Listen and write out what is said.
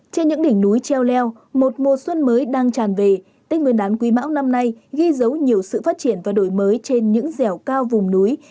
trên những đỉnh núi treo leo một mùa xuân mới đang tràn về tích nguyên đán quý mão năm nay ghi dấu nhiều sự phát triển và đổi mới trên những dẻo cao vùng núi